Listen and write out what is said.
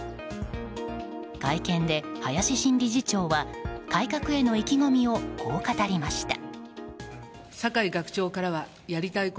会見で林新理事長は改革への意気込みをこう語りました。